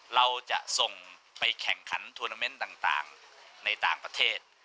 เราจะส่งไปแข่งขันทวนาเมนต์ต่างในต่างประเทศ